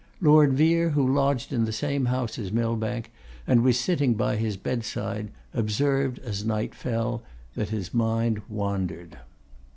Lord Vere, who lodged in the same house as Millbank, and was sitting by his bedside, observed, as night fell, that his mind wandered.